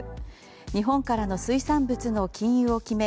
日本からの水産物の禁輸を決め